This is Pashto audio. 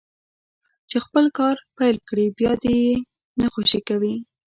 چې خپل کار پيل کړي بيا دې يې نه خوشي کوي.